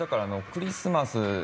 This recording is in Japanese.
クリスマス